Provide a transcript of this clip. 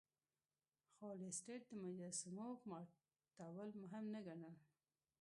خو لیسټرډ د مجسمو ماتول مهم نه ګڼل.